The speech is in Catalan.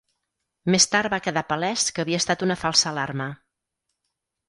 Més tard va quedar palès que havia estat una falsa alarma.